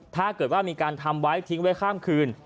ถ้าเกิดว่ามีการทำไว้ทิ้งไว้ข้ามคืน